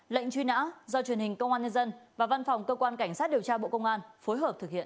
lệnh truy nã do truyền hình công an nhân dân và văn phòng cơ quan cảnh sát điều tra bộ công an phối hợp thực hiện